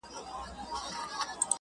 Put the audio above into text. • د نظرونو په بدل کي مي فکرونه راوړل_